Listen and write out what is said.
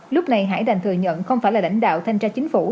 lúc này hải đành thừa nhận không phải là lãnh đạo thanh tra chính phủ